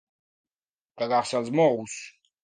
Cagar-se als morros.